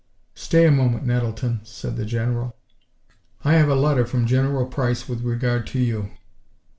"Stay a moment, Nettleton," said the General. "I have a letter from General Price with regard to you."